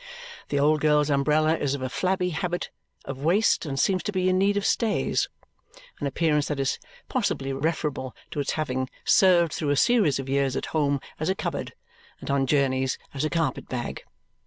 The old girl's umbrella is of a flabby habit of waist and seems to be in need of stays an appearance that is possibly referable to its having served through a series of years at home as a cupboard and on journeys as a carpet bag.